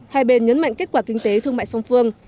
hai bên nhấn mạnh kết quả kinh tế thương mại song phương